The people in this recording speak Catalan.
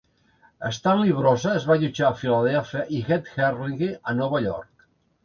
Stan Lee Brossa es va allotjar a Filadèlfia i Ed Herlihy, a Nova York.